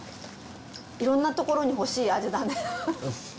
いろんなところに欲しい味だね。